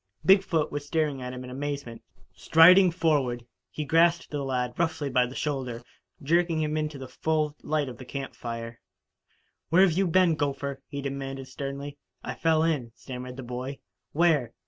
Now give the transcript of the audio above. Big foot was staring at him in amazement. Striding forward, he grasped the lad roughly by the shoulder, jerking him into the full light of the camp fire. "Where you been, gopher?" he demanded sternly. "I fell in," stammered the boy. "Where?"